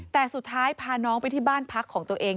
แต่สุดท้ายพาน้องไปที่บ้านพักของตัวเอง